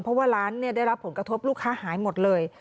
เพราะว่าร้านได้รับผลกระทบลูกค้าหายหมดเลย